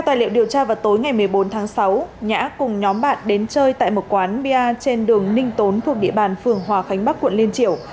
tài liệu điều tra vào tối ngày một mươi bốn tháng sáu nhã cùng nhóm bạn đến chơi tại một quán bia trên đường ninh tốn thuộc địa bàn phường hòa khánh bắc quận liên triều